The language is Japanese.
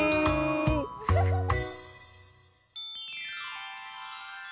フフフフ。